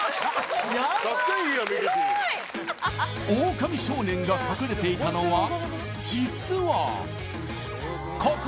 オオカミ少年が隠れていたのは実はここ！